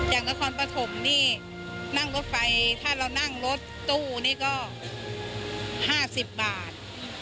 อย่างนครปฐมนี่นั่งรถไฟถ้าเรานั่งรถตู้นี่ก็๕๐บาท